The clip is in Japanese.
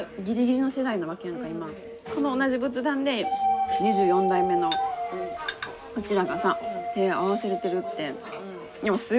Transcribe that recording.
この同じ仏壇で２４代目のうちらがさ手合わせれてるってすごいことよね。